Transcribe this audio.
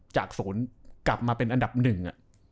จากศูนย์กลับมาเป็นอันดับหนึ่ง